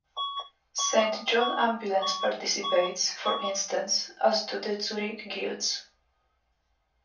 Saint John Ambulance participates, for instance, as do the Zurich Guilds.